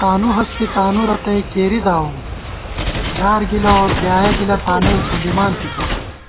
تانُو ہستے تانُو رتئ کېری داؤم یار گِلہ اؤ بۡلیایَہ گِلہ تانئ ݭُنڈِمان تِتہ